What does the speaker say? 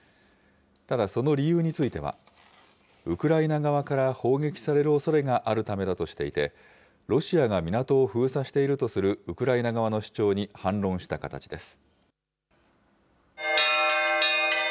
ただ、その理由については、ウクライナ側から砲撃されるおそれがあるためだとしていて、ロシアが港を封鎖しているとするウクライナ側の主張に反論した形です。